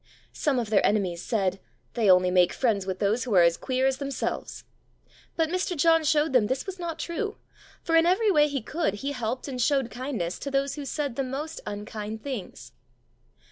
Some of their enemies said: "They only make friends with those who are as queer as themselves." But Mr. John showed them this was not true, for in every way he could he helped and showed kindness to those who said the most unkind things.